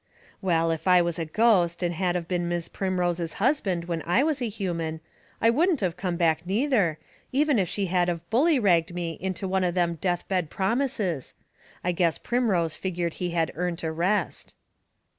Well, if I was a ghost and had of been Mis' Primrose's husband when I was a human, I wouldn't of come back neither, even if she had of bully ragged me into one of them death bed promises. I guess Primrose figgered he had earnt a rest.